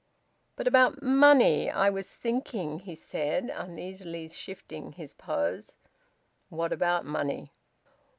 "But about money, I was thinking," he said, uneasily shifting his pose. "What about money?"